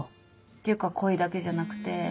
ていうか恋だけじゃなくて。